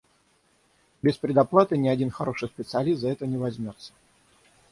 Без предоплаты ни один хороший специалист за это не возьмётся.